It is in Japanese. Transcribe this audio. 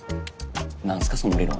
何すかその理論。